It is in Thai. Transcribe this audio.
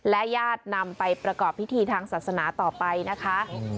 ญาตินำไปประกอบพิธีทางศาสนาต่อไปนะคะ